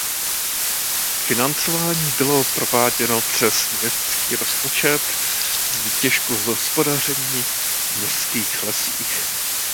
Financování bylo prováděno přes městský rozpočet z výtěžku hospodaření v městských lesích.